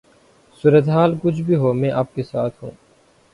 صورتحال کچھ بھی ہو میں آپ کے ساتھ ہوں